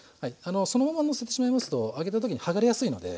そのままのせてしまいますと揚げた時にはがれやすいので。